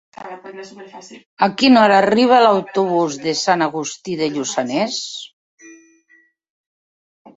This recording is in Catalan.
A quina hora arriba l'autobús de Sant Agustí de Lluçanès?